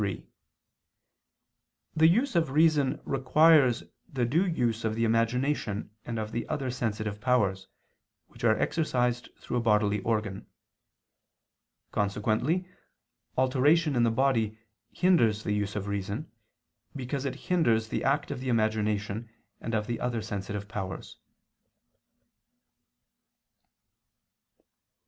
3: The use of reason requires the due use of the imagination and of the other sensitive powers, which are exercised through a bodily organ. Consequently alteration in the body hinders the use of reason, because it hinders the act of the imagination and of the other sensitive powers.